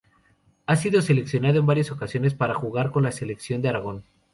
Ha sido seleccionado en varias ocasiones para jugar con la Selección de Aragón.